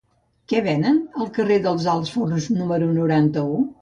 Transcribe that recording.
Què venen al carrer dels Alts Forns número noranta-u?